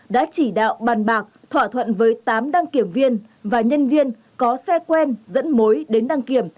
đã chỉ đạo bàn bạc thỏa thuận với tám đăng kiểm viên và nhân viên có xe quen dẫn mối đến đăng kiểm